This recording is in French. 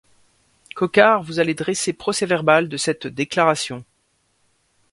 Coquart, vous allez dresser procès-verbal de cette déclaration.